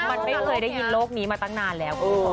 มันไม่เคยได้ยินโลกนี้มาตั้งนานแล้ว